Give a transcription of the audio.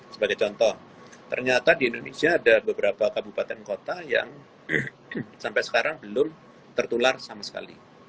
sebagai contoh ternyata di indonesia ada beberapa kabupaten kota yang sampai sekarang belum tertular sama sekali